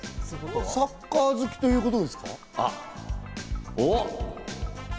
サッカー好きということですか？